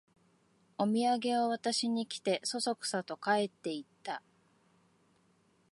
おみやげを渡しに来て、そそくさと帰っていった